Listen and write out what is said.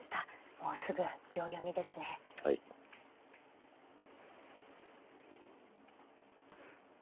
もうすぐ秒読みですね。